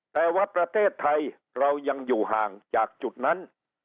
แต่ว่าประเทศไทยเรายังอยู่ห่างจากจุดนั้น